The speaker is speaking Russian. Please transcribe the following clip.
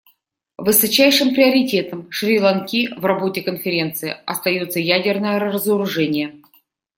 Высочайшим приоритетом Шри-Ланки в работе Конференции остается ядерное разоружение.